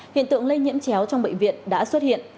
hiện tượng lây nhiễm chéo trong bệnh viện đã xuất hiện